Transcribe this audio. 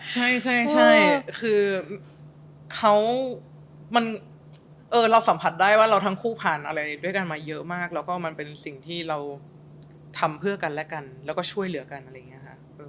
ใช่คือเขาเราสัมผัสได้ว่าเราทั้งคู่ผ่านอะไรด้วยกันมาเยอะมากแล้วก็มันเป็นสิ่งที่เราทำเพื่อกันและกันแล้วก็ช่วยเหลือกันอะไรอย่างนี้ค่ะ